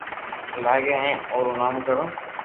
لاگي ھي ھين او رو نوم ڪيو